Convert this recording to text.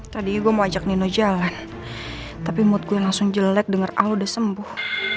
tadi gue mau ajak nino jalan tapi mood gue langsung jelek dengar aku udah sembuh